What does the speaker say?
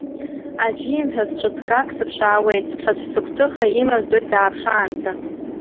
Аӡә иимҳәац ҿыцӡак сыԥшаауеит, ҽаӡә сыгәҭыха имаздоит дааԥшаанӡа.